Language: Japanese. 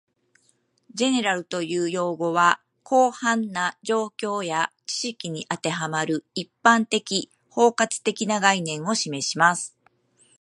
"General" という用語は、広範な状況や知識に当てはまる、一般的・包括的な概念を示します